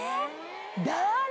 誰！？